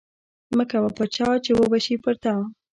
مه کوه پر چا چې ونشي پر تا